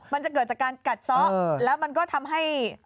มันจะเกิดจากการกัดซ้อแล้วมันก็ทำให้